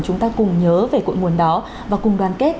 chúng ta cùng nhớ về cội nguồn đó và cùng đoàn kết